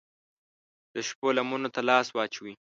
د شپو لمنو ته لاس واچوي